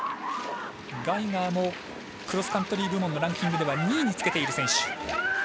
ガイガーもクロスカントリー部門のランキングでは２位につけている選手。